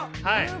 はい。